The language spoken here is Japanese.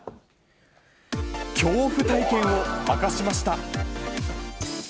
恐怖体験を明かしました。